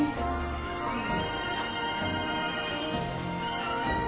うん。